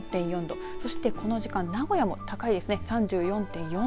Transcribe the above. そして、この時間、名古屋も高いです。